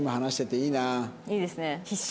いいですね。